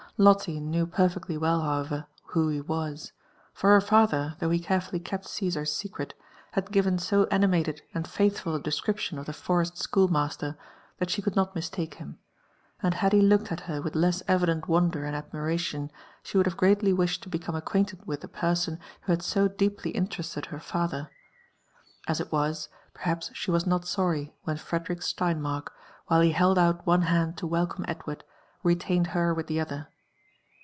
Lotte knew perfectly well, however, who he was ; for her father, though he carefully kept Caesar's secret, had given so animated and taithful a description of the forest schoolmaster that she could not mistake him ; and had he looked at her with less evident wonder and admiration, she would have greatly wished to become acquainted with a person who had so deeply interested her father. As it was, perhaps she was not sorry when Frederick Steinmark, while he held out one band to welcome Edward, retained her with the other.